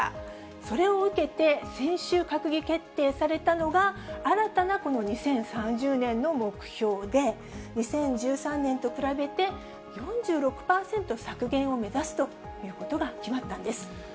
それを受けて、先週閣議決定されたのが、新たなこの２０３０年の目標で、２０１３年と比べて４６％削減を目指すということが決まったんです。